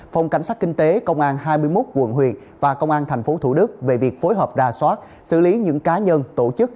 phòng cảnh sát kinh tế công an hai mươi một quận huyện và công an tp thủ đức về việc phối hợp ra soát xử lý những cá nhân tổ chức